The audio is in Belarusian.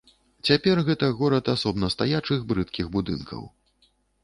Цяпер гэта горад асобна стаячых брыдкіх будынкаў.